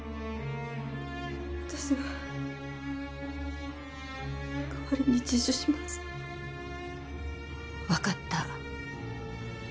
私が代わりに自首します分かった